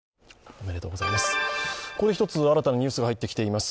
ここで１つ新たにニュースが入ってきています。